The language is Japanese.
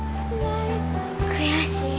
悔しい。